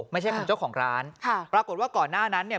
ไม่ใช่เป็นเจ้าของร้านค่ะปรากฏว่าก่อนหน้านั้นเนี่ย